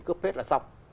cướp hết là xong